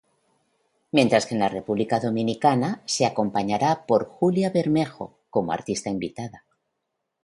Mientras que en República Dominicana se acompañará por Julia Bermejo como artista invitada.